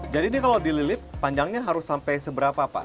jadi ini kalau dililit panjangnya harus sampai seberapa pak